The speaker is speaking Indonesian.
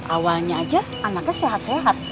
awalnya aja anaknya sehat sehat